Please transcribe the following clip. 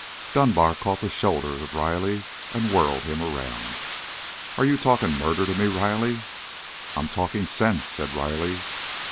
Dunbar caught the shoulder of Riley and whirled him around. "Are you talking murder to me, Riley?" "I'm talking sense," said Riley.